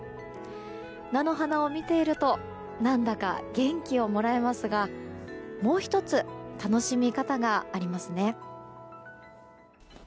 菜の花を見ていると何だか元気をもらえますがもう１つ楽しみ方がありますね。